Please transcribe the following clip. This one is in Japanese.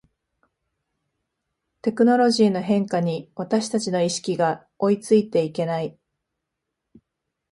テクノロジーの変化に私たちの意識が追いついていけない